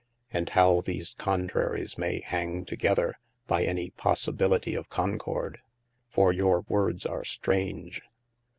and howe these contraries may hang together by any possibilitie of Concorde ? for your woordes are straunge.